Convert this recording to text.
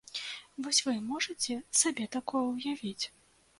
Вось вы можаце сабе такое ўявіць?